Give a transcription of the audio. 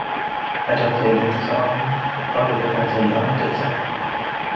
أجرت ليلى اتّصالا طالبة سيّارة إسعاف.